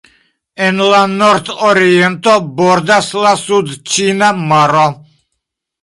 En la nordoriento bordas la sudĉina maro.